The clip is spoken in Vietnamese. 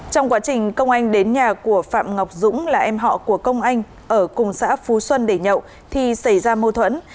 trong quá trình công anh đến nhà của phạm ngọc dũng là em họ của công anh ở cùng xã phú xuân để nhậu thì xảy ra mâu thuẫn